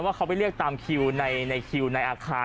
ว่าเขาไปเรียกตามคิวในคิวในอาคาร